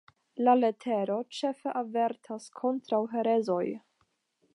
La letero ĉefe avertas kontraŭ herezoj.